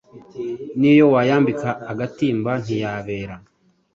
Niyo wayambika agatimba ntiyabera